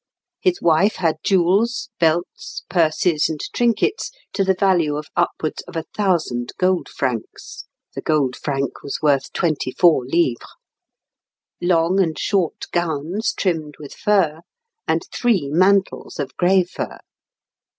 His wife had jewels, belts, purses, and trinkets, to the value of upwards of 1,000 gold francs (the gold franc was worth 24 livres); long and short gowns trimmed with fur; and three mantles of grey fur.